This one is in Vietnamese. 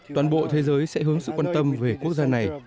toàn bộ thế giới sẽ hướng sự quan tâm về quốc gia này